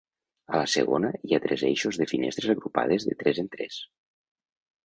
A la segona hi ha tres eixos de finestres agrupades de tres en tres.